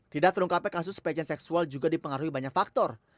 tidak terungkapnya kasus pelecehan seksual juga dipengaruhi banyak faktor